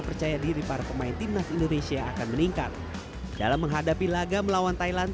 percaya diri para pemain timnas indonesia akan meningkat dalam menghadapi laga melawan thailand